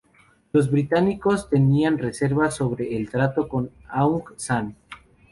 Los británicos tenían reservas sobre el trato con Aung San.